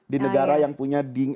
di negara yang punya dingin